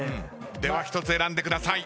では１つ選んでください。